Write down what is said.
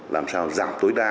làm sao giảm tối đa